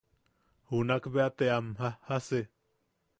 Junak bea te am jajasek.